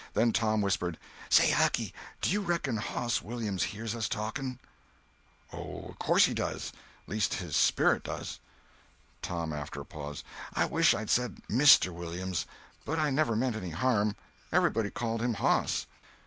Then Tom whispered: "Say, Hucky—do you reckon Hoss Williams hears us talking?" "O' course he does. Least his sperrit does." Tom, after a pause: "I wish I'd said Mister Williams. But I never meant any harm. Everybody calls him Hoss."